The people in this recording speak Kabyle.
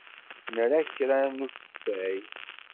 Nra kra n ufessay.